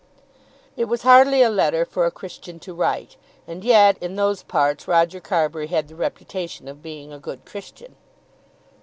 It was hardly a letter for a Christian to write; and, yet, in those parts Roger Carbury had the reputation of being a good Christian.